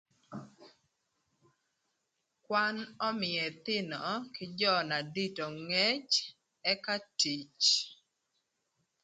Kwan ömïö ëthïnö kï jö na dito ngec ëka tic.